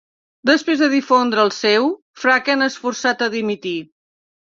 Després de difondre el seu, Franken es forçat a dimitir.